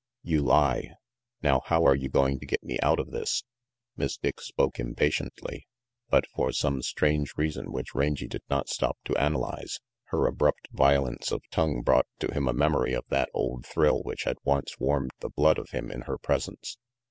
"You lie. Now how are you going to get me out of this?" Miss Dick spoke impatiently, but for some strange reason which Rangy did not stop to analyze, her RANGY PETE 351 abrupt violence of tongue brought to him a memory of that old thrill which had once warmed the blood of him in her presence.